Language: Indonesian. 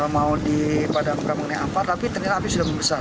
mau dipadamkan mengenai apar tapi ternyata api sudah membesar